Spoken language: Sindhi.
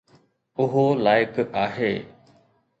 اهو لائق آهي